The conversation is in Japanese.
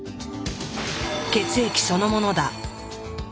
血液そのものだ。